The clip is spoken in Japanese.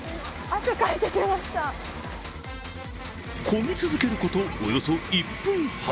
こぎ続けることおよそ１分半。